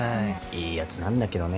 いいやつなんだけどね。